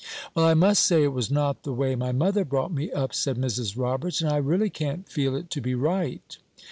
"Well, I must say it was not the way my mother brought me up," said Mrs. Roberts; "and I really can't feel it to be right."